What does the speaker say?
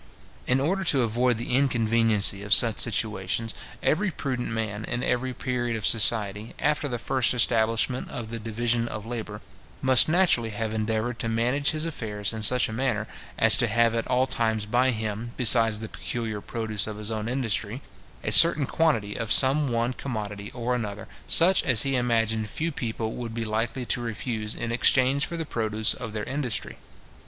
In order to avoid the inconveniency of such situations, every prudent man in every period of society, after the first establishment of the division of labour, must naturally have endeavoured to manage his affairs in such a manner, as to have at all times by him, besides the peculiar produce of his own industry, a certain quantity of some one commodity or other, such as he imagined few people would be likely to refuse in exchange for the produce of their industry.